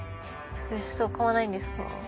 荘買わないんですか？